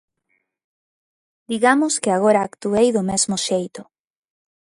Digamos que agora actuei do mesmo xeito.